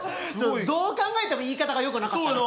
どう考えても言い方がよくなかったな。